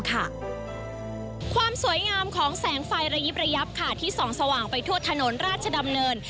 ความสวยงามของแสงไฟระยิบระยับค่ะที่ส่องสว่างไปทั่วถนนราชดำเนิน